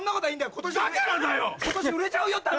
今年売れちゃうよって話。